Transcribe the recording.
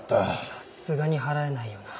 さすがに払えないよなぁ。